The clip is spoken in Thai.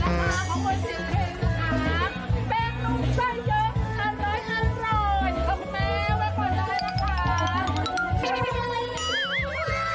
ขอบคุณสิ่งเคยลูกค้าเป็นนุ่มใจเยอะอร่อยขอบคุณแม่ไว้ก่อนล่ะล่ะค่ะ